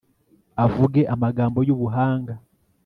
avuge amagambo y'ubuhanga